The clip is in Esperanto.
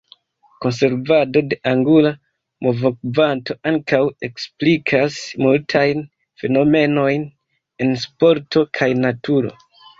Konservado de angula movokvanto ankaŭ eksplikas multajn fenomenojn en sporto kaj naturo.